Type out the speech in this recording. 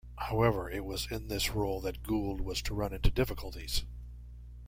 However, it was in this role that Gould was to run into difficulties.